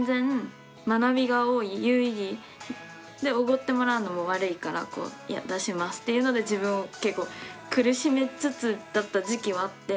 おごってもらうのも悪いから出しますっていうので自分を結構苦しめつつだった時期はあって。